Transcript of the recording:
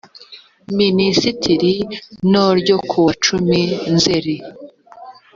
minisitiri no ryo ku wa cumi nzeri